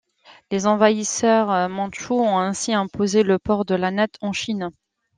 Les envahisseurs mandchous ont ainsi imposé le port de la natte en Chine.